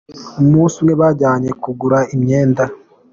Umunsi umwe bajyanye kugura imyenda.